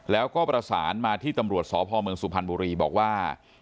แล้วก็ประสานมาที่ตำรวจสพเมืองสุพรรณบุรีบอกว่า